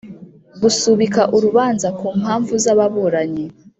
Gusubika urubanza ku mpamvu z ababuranyi